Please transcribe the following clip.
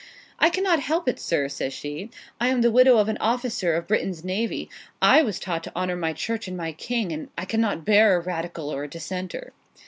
'I cannot help it, sir,' says she; 'I am the widow of an officer of Britain's Navy: I was taught to honour my Church and my King: and I cannot bear a Radical or a Dissenter.'